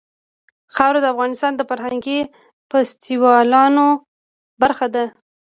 خاوره د افغانستان د فرهنګي فستیوالونو برخه ده.